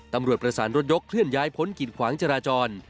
ตำรวจประสานรถยกเคลื่อนย้ายพ้นกิดขวางจราจร